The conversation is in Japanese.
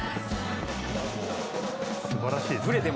すばらしい。